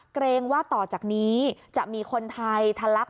เกรงว่าต่อจากนี้จะมีคนไทยทะลัก